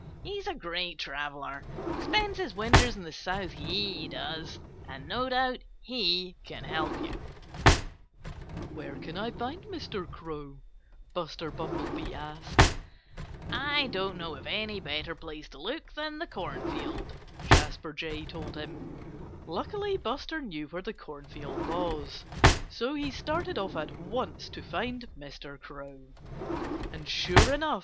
"He's a great traveller. Spends his winters in the South, he does. And no doubt he can help you." [Illustration: Buster Thanks Old Mr. Crow For His Advice. (Page 25)] "Where can I find Mr. Crow?" Buster Bumblebee asked. "I don't know of any better place to look than the cornfield," Jasper Jay told him. Luckily Buster knew where the cornfield was. So he started off at once to find Mr. Crow. And sure enough!